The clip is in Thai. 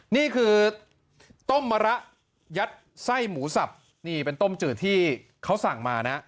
นี่คือต้มมะระยัดไส้หมูสับนี่เป็นต้มจืดที่เขาสั่งมานะ